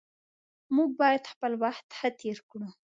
موږ باید خپل وخت ښه تیر کړو